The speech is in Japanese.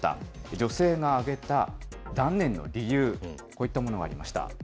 女性が挙げた断念の理由、こういったものがありました。